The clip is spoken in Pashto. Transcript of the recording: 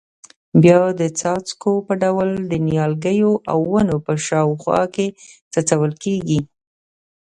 بیا د څاڅکو په ډول د نیالګیو او ونو په شاوخوا کې څڅول کېږي.